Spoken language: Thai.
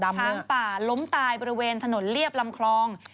ช้างป่าล้มตายบริเวณถนนเรียบลำคลอง